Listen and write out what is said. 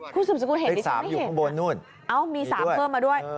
คุณสุดสกุลเห็นดิฉันไม่เห็นนี่ด้วยเอ้ามี๓เพิ่มมาด้วย